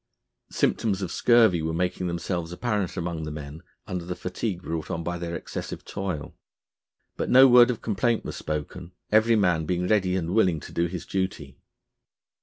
Symptoms of scurvy were making themselves apparent among the men under the fatigue brought on by their excessive toil; but no word of complaint was spoken, every man being ready and willing to do his duty.